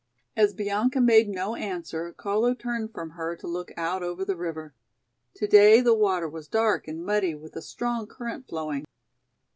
As Bianca made no answer, Carlo turned from her to look out over the river. Today the water was dark and muddy with a strong current flowing.